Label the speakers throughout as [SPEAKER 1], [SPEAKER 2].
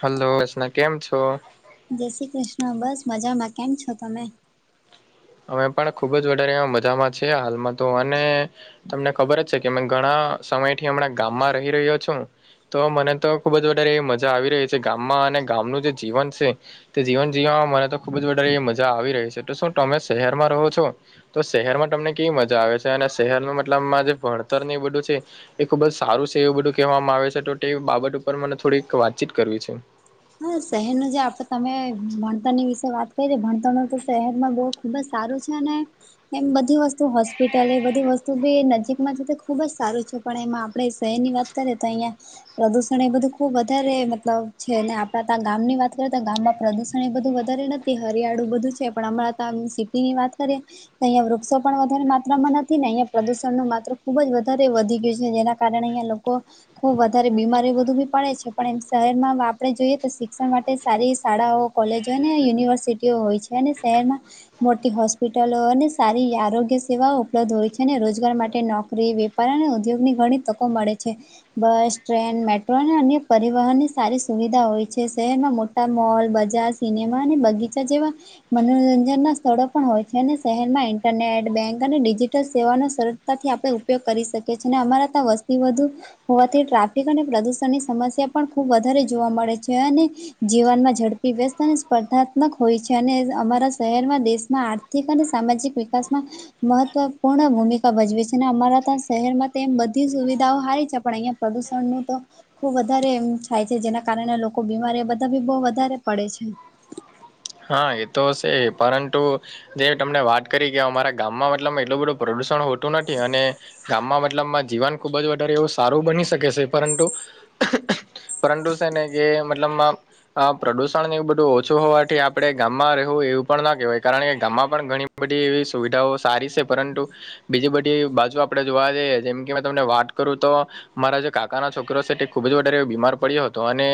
[SPEAKER 1] Hello વસના કેમ છો.
[SPEAKER 2] જય શ્રી કૃષ્ણ બસ મજામાં કેમ છો તમે
[SPEAKER 1] અમે પણ ખુબ વધારે મજામાં છે હાલમાં તો અને તમને ખબર જ છે કે અમે ઘણા સમય થી હમણાં ગામમાં રહી રહ્યો છું તો મને તો ખુબ જ વધારે એ મજા આવી રહી છે ગામમાં અને ગામનું જે જીવન છે તે જીવન જીવવામાં મને તો ખુબ જ વધારે મજા આવી રહી છે તો શું તમે શહેરમાં રહો છો તો શહેરમાં તમને કેવી મજા આવે છે અને શહેરમાં મતલબમાં જે ભણતર ને એવું બધું છે એ ખૂબ જ સારું છે એવું બધું કહેવામાં આવે છે, તો એ બાબત ઉપર મારે થોડીક વાતચીત કરવી છે.
[SPEAKER 2] હા, શહેરનું જે આપણું ભણતર છે, ભણતર તો શહેરમાં બહુ... ખૂબ જ સારું છે ને? એમ બધી વસ્તુ, હોસ્પિટલ, એ બધી વસ્તુ પણ નજીકમાં... પણ એમાં આપણે શહેરની વાત કરીએ તો અહીંયા પ્રદૂષણ એ બધું ખૂબ વધારે, મતલબ છે અને... તા-તા, ગામની વાત કરીએ તો ગામમાં પ્રદૂષણ એ બધું વધારે નથી, હરિયાળું બધું છે, પણ હમણાં તો આમ સિ... એની વાત કરીએ અહીંયા વૃક્ષો પણ વધારે માત્રામાં નથી ને, અહીંયા પ્રદૂષણ માત્ર ખૂબ જ વધારે વધી ગયું છે, જેના કારણે અહીં લોકો ખૂબ વધારે બીમારીઓ બધું બી પડે છે, પણ એમ શહેરમાં આપણે જોઈએ કે શિક્ષણ માટે સારી શાળાઓ કોલેજો અને યુનિવર્સિટીઓ હોય છે અને શહેરમાં... મોટી હોસ્પિટલો અને સારી આરોગ્ય સેવાઓ ઉપલબ્ધ હોય છે ને, રોજગાર માટે નોકરી વી... પણ ઉદ્યોગની ઘણી તકો મળે છે. બસ, ટ્રેન, મેટ્રો અને અન્ય પરિવહનની સારી સુવિધા હોય છે. જે શહેરમાં મોટા મોલ, બજાર, સિનેમા અને બગીચા જેવા... મનોરંજનના સ્થળો પણ હોય છે અને શહેરમાં ઇન્ટરનેટ, બેંક અને ડિજિટલ સેવાનો સરળ... તેથી આપણે ઉપયોગ કરી શકીએ છીએ અને અમારો તો વસ્તી વધુ... હોવાથી ટ્રાફિક અને પ્રદૂષણની સમસ્યા પણ ખૂબ વધારે જોવા મળે છે અને જીવનમાં ઝડપી, વ્યસ્ત અને સ્પર્ધાત્મક હોય છે અને અમારા શહેરમાં દેશમાં આ થીક અને સામાજિક વિકાસમાં મહત્વપૂર્ણ ભૂમિકા ભજવે છે ને અમારા તો શહેરમાં તે બધી સુવિધાઓ સારી છે પણ અહીંયાં પ્રદૂષણનું તો ખૂબ વધારે એમ થાય છે જેના કારણે લો કો બીમારી બધા ભી બહુ વધારે પડે છે.
[SPEAKER 1] હા એ તો છે પરંતુ જે તમને વાત કરી કે અમારા ગામમાં મતલબ એટલું બધું પ્રદૂષણ હોતું નથી અને ગામમાં મતલબમાં જીવન ખુબ જ વધારે એવું સારું બની શકે છે પરંતુ
[SPEAKER 2] [unintelligible]
[SPEAKER 1] પરંતુ છે ને કે મતલબ માં આ પ્રદૂષણને એવું બધું ઓછું હોવાથી આપ ણે ગામમાં રહેવું એવું પણ ના કહેવાય કારણ કે ગામમાં પણ ઘણી બધી એવી સુવિધાઓ સારી છે પરંતુ બીજી બધી બાજુ આપણે જોવા જઈએ જેમ કે મેં તમને વાત કરું તો મારાં જે કાકાના છોકરો છે તે ખુબ જ વધારે બીમાર પડ્યો હતો અને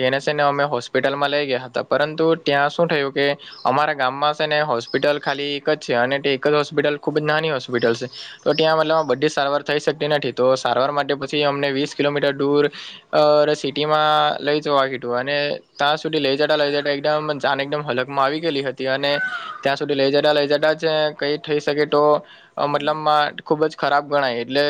[SPEAKER 1] તેને સેને અમે હોસ્પિટલમાં લઈ ગયા હતા પરંતુ ત્યાં શું થયું કે અમારે ગામમાં છે ને હોસ્પિટલ ખાલી એક જ છે અને તે એક જ હોસ્પિટલ ખૂબ જ નાની હોસ્પિટલ છે તો ત્યાં મતલબ બધી સારવાર થઈ શકતી નથી, તો સારવાર માટે પછી અમને વીસ કિલોમીટર દૂર અર સિટી માં લઈ જવા કીધું અને ત્યાં સુધી લઈ જતા લઈ જતા એકદમ જ જાન એકદમ હાલતમાં આવી ગયેલી હતી અને ત્યાં સુધી લઈ જતા લઈ જતા જ કંઈ થઈ શકે તો. અ મતલબમા ખુબ જ ખરાબ ગણાય એટલે.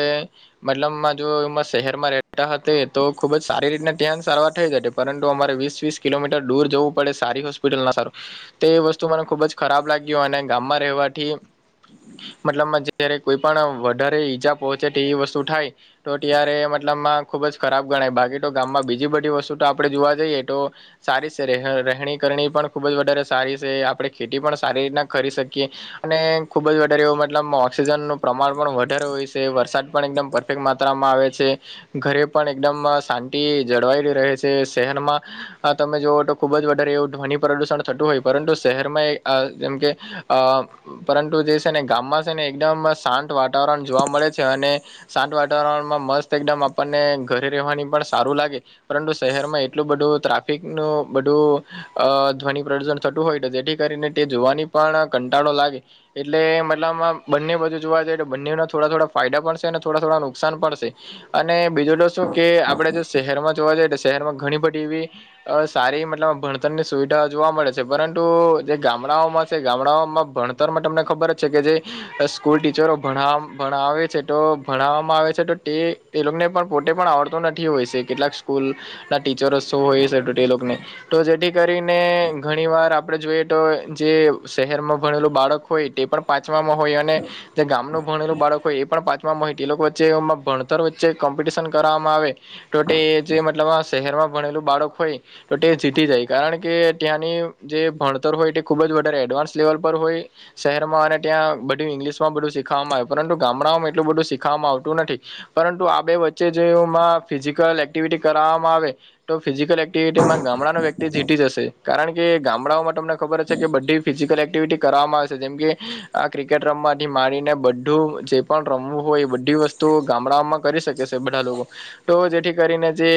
[SPEAKER 1] મતલબમાં જો એમાં શહેરમાં રહેતા હતે તો ખુબ જ સારી રીતના ત્યા જ સારવાર થઈ જતે. પરંતુ અમારે વીસ વીસ કિલોમીટર દૂર જવું પડે સારી હોસ્ પિટલ ના સારું તે વસ્તુ મને ખૂબ જ ખરાબ લાગ્યું અને ગામમાં રહેવાથી. મતલબમાં જ્યારે કોઈ પણ વધારે ઈજા પહોંચે તેવી વસ્તુ થાય. તો ત્યારે મતલબમાં ખૂબ જ ખરાબ ગણાય, બાકી તો ગામમાં બીજી બધી વસ્તુ તો આપણે જોવા જઈએ તો સારી છે, રહેણી કરણી પણ ખૂબ જ વધારે સારી છે, આપણે ખેતી પણ સારી રીતે કરી શકીએ. અને ખૂબ જ વધારે એવું મતલબમાં ઓક્સિજનનું પ્રમાણ પણ વધારે હોય છે, વરસાદ પણ એકદમ માત્રામાં આવે છે, ઘરે પણ એકદમ શાંતિ જળવાયેલી રહે છે, શહેરમાં હ, તમે જોવો તો ખૂબ જ વધારે એવું ધ્વનિ પ્રદુષણ થતું હોય પરંતુ શહેરમાં એ અ જેમ કે અ પરંતુ જે છે ને ગામમાં છે ને એકદમ શાંત વાતાવરણ જોવા મળે છે અને શાંત વાતાવરણમાં મસ્ત એકદમ આપણને ઘરે રહેવાની પણ સારું લાગે. પરંતુ શહેરમાં એટલું બધું ટ્રાફિકનું બધું અ ધ્વનિ પ્રદૂષણ થતું હોય જેથી કરીને તે જોવાની પણ કંટાળો લાગે. એટલે મતલબમાં બંને બાજુ જોવા જઈએ તો બંનેને થોડા થોડા ફાયદા પણ છે અને થોડા થોડા નુકસાન પણ શે અને બીજું તો શું કે આપડે જે શહેરમાં જોવા જઈએ તો શહેરમાં ઘણી બધી એવી અ સારી મતલબમાં ભણ તરની સુવિધા જોવા મળે છે પરંતુ જે ગામડાઓમાં છે ગામડાઓમાં ભણતરમાં તમને ખબર જ છે કે જે સ્કૂલ ટીચરો ભણા ભણાવે છે તો ભણાવવામાં આવે છે તો તે તે લોકોને પણ પોતે પણ આવડતો નથી હોય છે કેટલાક સ્કૂલ ટીચરો શો હોય છે તો તે લોકને તો જેથી જેથી કરીને ઘણી વાર આપણે જોઈએ તો જે શહેરમાં ભણેલું બાળક હોય તે પણ પાંચમાં હોય અને જે ગામનું ભણેલું બાળક હોય એ પણ પાંચમા હોય તે લોકો વચ્ચે ભણતર વચ્ચે કોમ્પિટિશન કરવામાં આવે તો તે જે મતલબ આ શહેરમાં ભણેલું બાળક હોય તો તે જીતી જાય. કારણ કે ત્યાંની જે ભણતર હોય તે ખૂબ જ વધારે એડવાન્સ લેવલ પર હોય. શહેરમાં અને ત્યાં બધું ઈંગ્લિશમાં બધું શીખવામાં આવે પરંતુ ગામડાઓમાં એટલું બધું શીખવામાં આવતું નથી. પરંતુ આ બે વચ્ચે જે ઓમાં ફિઝિકલ એક્ટિવિટી કરવામાં આવે તો ફિઝિકલ એક્ટિવિટીમાં ગામડાનો વ્યક્તિ જીતી જશે કારણ કે ગામડાઓમાં તમને ખબર જ છે કે બધી ફિઝિકલ એક્ટિવિટી કરવામાં આવે છે જેમ કે આ ક્રિકેટ રમવાથી માડીને બધું જે પણ રમવું હોય એ બધી વસ્તુ ગામડાઓમાં કરી શકે છે બધા લોકો તો જેથી કરીને જે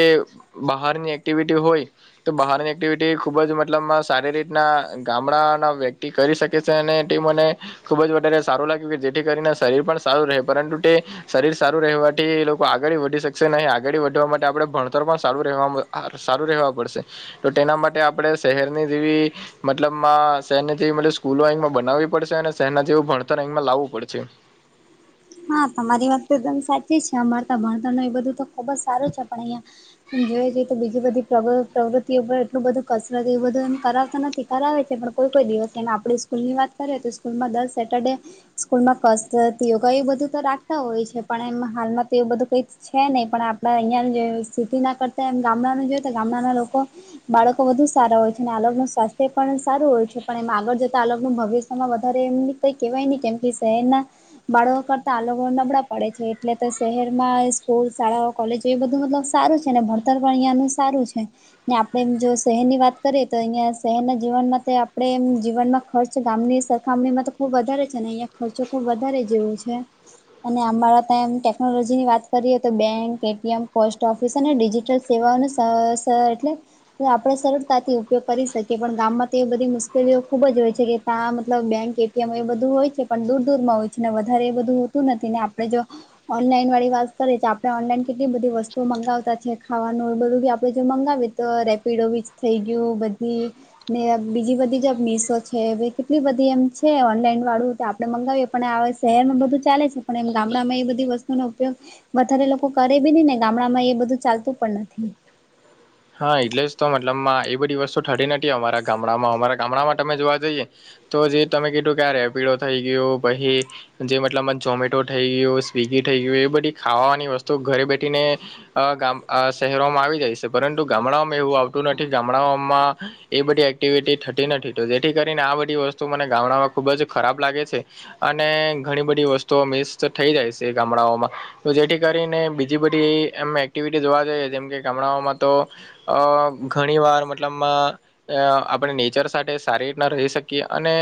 [SPEAKER 1] બહારની એક્ટિવિટી હોય તો બહારની એક એક્ટિવિટી ખૂબ જ મતલબમાં સારી રીતના ગામડાંના વ્યક્તિ કરી શકે છે અને તે મને ખુબ જ વધારે સારું લાગ્યું કે જેથી કરીને શરીર પણ સારું રહે પરંતુ તે શરીર સારું રહેવાથી એ લોકો આગળી વધી શકશે નહિ આગળી વધવા માટે આપડે ભણતર પણ સારું રહેવા સારું રહેવા પડશે તો તેના માટે આપણે શહેરની જેવી મતલબમાં શહેરની જેવી મતલબ સ્કૂલો એમાં બનાવી પડશે અને શહેરના જેવુ ભણતર અહીંમાં લાવું પડશે.
[SPEAKER 2] હા તમારી વાત તો એકદમ સાચી છે અમાર તા ભણતર એ બધું તો ખુબ જ સારું છે પણ અહીંયા જોઈ જોયે તો બીજી બધી પ્રવૃત્તિઓ પર એટલું બધું કસરત એવું બધું એમ કરાવતા નથી. કરાવે છે પણ કોઈ કોઈ દિવસ એમ આપણી સ્કૂલની વાત કરીએ તો સ્કૂલમાં દર સેટરડે સ્કૂલમાં કસરત યોગા એ બધું તો રાખતા હોય છે પણ એમ હાલમાં તો એ બધું કઈક છે નહીં પણ આપડા અહીંયા જે સિટીના કરતા એમ ગામડાનું જોયે તો ગામડાના લોકો બાળકો વધુ સારા હોય છે અને આ લોકનું સ્વાસ્થ્ય પણ સારું હોય છે પણ એમાં આગળ જતા આ લોકનું ભવિષ્ય એમાં વધારે એમને કઈ કેવાય નહી કેમ કે શહેરના બાળકો કરતા આ લોકો નબળા પડે છે એટલે તો શહેરમાં સ્કૂલ શાળાઓ કોલેજ તો એ બધું મતલબ સારું છે ને ભણતર પણ અહિયાંનું સારું છે. આપણે મ જો શહેરની વાત કરીએ તો અહીયાં શહેરના જીવનમાં તે આપણેે એમ જીવનમાં ખર્ચ ગામની સ રખામણીમાં તો ખુબ વધારે છે ને અહિયાં ખર્ચો તો ખુબ વધારે જેવું છે. અને અમારા ત્યામ ટેકનોલોજી ની વાત કરીએ તો બેંક, એટીએમ, પોસ્ટ ઓફિસ અને ડિજિટલ સેવાઓનો સ સ એટલે આપણે સરળતાથી ઉપયોગ કરી શકીએ પણ ગામમાં તો બધી મુશ્કેલીઓ ખુબ જ હોય છે કે ત્યા મતલબ બેંક કેમ એ બધું હોય છે પણ દૂર દૂરમાં હોય છે ને વધારે એ હોતું નથી ને આપડે જો ઓનલાઈન વાળી વાત કરીએ તો આપણે ઓનલાઈન કેટલી બધી વસ્તુઓ મંગાવતા છે. ખાવાનું [unintelligible] બી આપણે જે મંગાવીએ તો રેપિડો બી થઈ ગયું બધી ને બીજી બધી જે મીશો છે કેટલી બધી એમ છે ઓનલાઈન વાળું તે આપડે મંગાવીએ, પણ આવે શહેરમાં બધું ચાલે છે પણ એમ ગામડામાં એ બધી વસ્તુનો ઉપયોગ, વધારે લોકો કરે બી ની ને ગામડા માં એ બધું ચાલતું પણ નથી.
[SPEAKER 1] હા એટલે જ તો મતલબમાં એ બધી વસ્તુ ઠટી નથી અમારા ગામડામાં. અમારા ગામડામાં તમે જોવા જઈએ, તો જે તમે કિધુ કે આ રેપીડો થઈ ગયુ પહી જે મતલબમાં ઝમેટો થઈ ગયુ, સ્વિગી થઈ ગયું એ બધી ખાવાની વસ્તુ ઘરે બેઠીને, અ ગામ અ શહેરોમાં આવી જાય છે. પરંતુ ગામડાઓમાં એવું આવતું નથી. ગામડાઓમાં એ બધી એક્ટિવિટી થતી નથી તો જેથી કરીને આ બધી વસ્તુ તો મને ગામડામાં ખૂબ જ ખરાબ લાગે છે. અને ઘણી બધી વસ્તુઓ મિસ તો થઈ જાય છે ગામડાઓમાં, તો જેથી કરીને બીજી બધી એમ એક્ટિવિટી જોવા જઈએ જેમ કે ગામડાઓમાં, તો અ ઘણી વાર મતલબમાં, અ આપણે નેચર સાથે સારી રીતના રહી શકીએ અને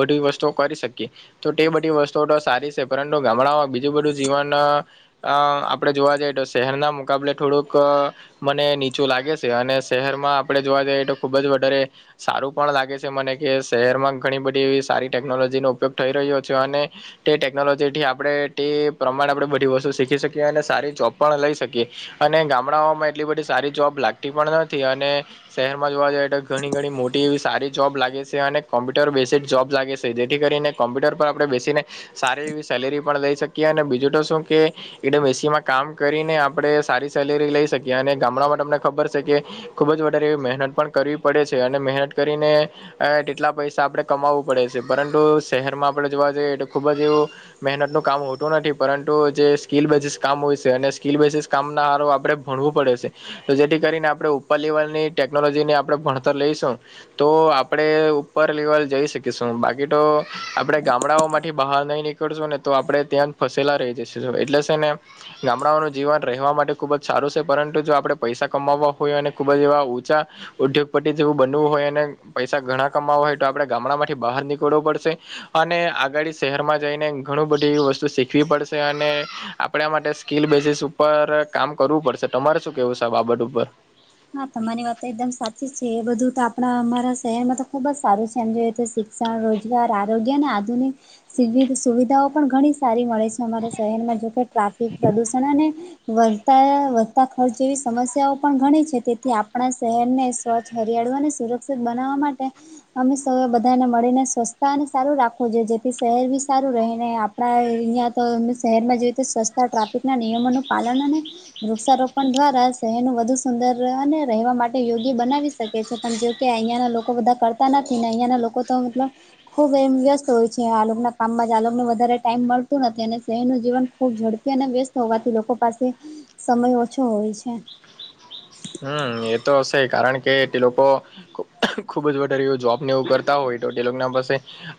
[SPEAKER 1] બધી વસ્તુઓ કરી શકીએ. તો ટે બધી વસ્તુઓ તો સારી છે પરંતુ ગામડામાં બીજું બધું જીવન, અ આપડે જોવા જઈએ તો શહેરના મુકાબલે થોડુંક, મને નીચું લાગે છે અને શહેરમા આપણે જોવા જઈએ તો ખૂબ જ વધારે, સારું પણ લાગે છે મને કે શહેરમાં ઘણી બધી એવી સારી ટેકનોલોજીનો ઉપયોગ થઈ રહ્યો છે, અને, તે ટેકનોલોજી થી આપણે તે પ્રમાણે આપણે બધી વસ્તુ શીખી શકીએ અને સારી જોબ પણ લઈ શકીએ. અને ગામડાઓમાં એટલી બધી સારી જોબ લાગતી પણ નથી અને, શહેરમાં જોવા જઈએ તો ઘણી ઘણી મોટી એવી સારી જોબ લાગે છે અને કોમ્પ્યુટર બેસીડ જોબ લાગે છે. જેથી કરીને, કોમ્પ્યુટર પર આપણે બેસીને સારી એવી સેલેરી પણ લઈ શકીએ અને બીજું તો શું કે, એટલે મેસી માં કામ કરીને આપણે સારી સેલેરી લઈ શકીએ અને ગામડા માટે તમને ખબર છે કે, ખુબ જ વધારે મહેનત પણ કરવી પડે છે, અને મહેનત કરીને, અ તેટલા પૈસા આપડે કમાવવું પડે છે પરંતુ શહેરમાં આપણે જોવા જઈએ તો ખુબ જ એવું, મેહનતનું કામ હોતું નથી પરંતુ જે સ્કીલ બેઝીસ કામ હોય છે અને સ્કીલ બેઝીસ કામના હારું આપડે, ભણવું પડે છે. તો જેથી કરીને આપણે ઉપર લેવલની ટેકનોલોજીને આપણે ભણતર લઈશું‌. તો આપડે ઉપર લેવલ જઈ શકીશું. બાકી તો આપડે ગામડાઓમાંથી બહાર નહી નીક કળશુ ને તો આપડે ત્યાં જ ફસેલા રહી જસુ એટલે છે ને ગામડાઓનું જીવન રહેવા માટે ખૂબ જ સારું છે પરંતુ જો આપણે પૈસા કમાવવા હોયએ અને ખૂબ જ એવા ઊંચા, ઉદ્યોગપતિ જેવું બનવું હોય અને પૈસા ઘણા કમાવા હોય તો આપડે ગામડા માંથી બહાર નીકળવું પડશે. અને આગાડી શહેરમાં જઈને ઘણું બધી વસ્તુ શીખવી પડશે અને, આપડા માટે સ્કીલ બેજીસીસ ઉપર કામ કરવું પડશે. તમારે શું કેવું છે આ બાબત ઉપર,
[SPEAKER 2] હા તમારી વાત તો એકદમ સાચી છે. એ બધું તો આપણા અમારા શહેરમાં તો ખુબ જ સારું છે. એમ જો તો શીખ શિક્ષણ, રોજગાર, આરોગ્ય અને આધુનિક સીધી સુવિધાઓ પણ ઘણી સારી મળે છે. અમારાં શહેરમાં જો કે ટ્રાફિક પ્રદુષણ અને, વધતા વધતા ખર્ચ જેવી સમસ્યાઓ પણ ઘણી છે. તે તેથી આપણા શહેરને સ્વચ્છ હરિયાળુ અને સુરક્ષિત બનાવવા માટે અમે સ બધાને મળીને સ્વચસ્છતા અને સારું રાખવું જોયે જેથી શહેર બી સારું રહીને આ આપણા અહીયાં તો અ શહેરમાં જોઈએ તો સસ્તા ટ્રાફિકના નિયમોનું પાલન અને વૃક્ષારોપણ દ્વારા શહેરનું વધુ સુંદર, ને રહેવા માટે યોગી બનાવી શકે છે પણ જોકે અહિયાં ના લોકો બધા કરતા નથી ને અહિયાંના લોકો, તો મતલબ, ખૂબ એમ વ્યસ્ત હોય છે આલોકના કામમાં આલોકને વધારે ટાઈમ મળતું નથી અને શહેરનું જીવન, ખુબ ઝડપી અને વ્યસ્ત હોવાથી લોકો પાસે સમય ઓછો હોય છે.
[SPEAKER 1] હમ એ તો હશે કારણ કે એ લોકો. ખુબ જ વધારે જોબ ને એવું કરતા હોય તો તેલૌક ના પાસે.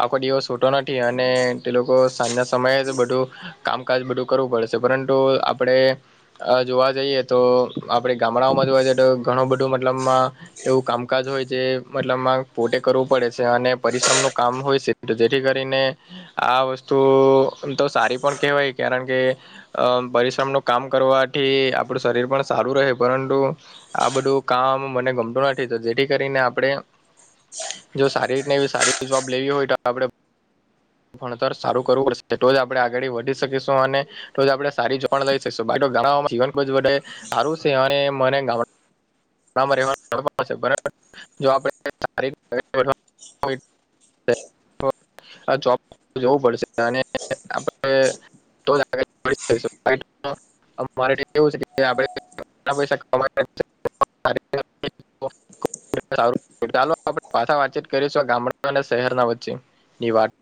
[SPEAKER 1] આખો દિવસ છોટો નથી અને તે લોકો સાંજના સમયે જ બધું. કામકાજ બધું કરવું પડશે પરંતુ આપડે જોવા જઈએ તો આપડે ગામ. હમડાંઓમાં જો હોય છે તો ઘણું બધું મતલબમાં! એવું કામકાજ હોય જે મતલબમાં પોતે કરવું પડે છે અને પરિશ્રમ ન કામ હોય છે. તો આ વસ્તુ તો સારી પણ કેહેવાય કારણ કે. અમ પરિશ્રમ નું કામ કરવાથી આપડું શરીર પણ સારું રહે. પરંતુ આ બધું કામ મને ગમતું નથી જેથી કરીને આપણે. જો સારી રીત એવી સારી જોબ લેવી હોય તો આપડ. ભણતર સારું કરવું પડશે તો જ આપડણે આગળ વધી શકીશું અને, તો જ આપણે સારી જો લઈ શકીશું ગ જીવન જે સારું છે અને મને ગામડા [unintelligible] જો આપ [unintelligible]
[SPEAKER 2] હ [unintelligible]
[SPEAKER 1] આ જોબ જોવું પડશે અને આપડ [unintelligible] રેવું છે આપ [unintelligible] કેટલા પૈસા કમા છે [inaudible] સરે [inaudible] સું ચાલો આપણે પાછા વાતચીત કરીશું ગામડા અને શહેરના વચ્ચે ની વાત [inaudible]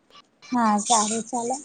[SPEAKER 2] હા સારુ ચાલો.